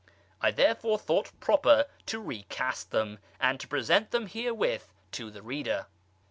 I therefore thought proper to recast them, and to present them herewith to the reader.